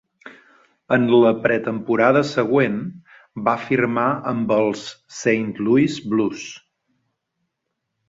En la pretemporada següent, va firmar amb els Saint Louis Blues.